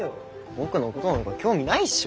僕のごどなんか興味ないっしょ。